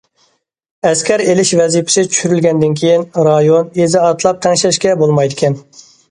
ئەسكەر ئېلىش ۋەزىپىسى چۈشۈرۈلگەندىن كېيىن، رايون، يېزا ئاتلاپ تەڭشەشكە بولمايدىكەن.